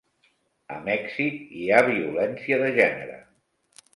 A Mèxic hi ha violència de gènere